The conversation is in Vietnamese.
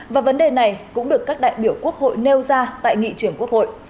và vấn đề này cũng được các đại biểu quốc hội nêu ra tại nghị trường quốc hội